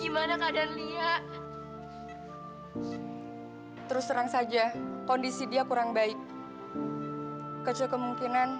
bangun aja jangan sakit